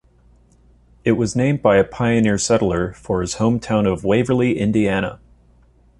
It was named by a pioneer settler for his hometown of Waverly, Indiana.